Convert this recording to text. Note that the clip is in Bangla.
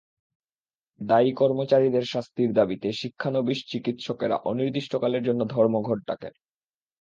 দায়ী কর্মচারীদের শাস্তির দাবিতে শিক্ষানবিশ চিকিৎ সকেরা অনির্দিষ্টকালের জন্য ধর্মঘট ডাকেন।